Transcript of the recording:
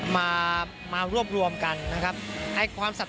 การเดินทางปลอดภัยทุกครั้งในฝั่งสิทธิ์ที่หนูนะคะ